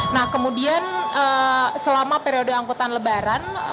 nah kemudian selama periode angkutan lebaran